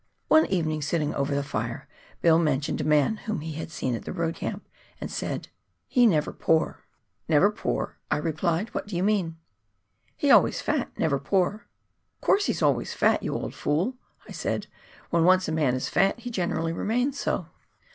One evening, sitting over the fire. Bill mentioned a man whom we had seen at the road camp, and said "he never pore." LANDSBOROUGH RIVER. 229 " Never poor," I replied ;" what do you mean ?"" He always fat, never pore." " Of course lie's always fat, you old fool," I said. " When once a man is fat he generally remains so."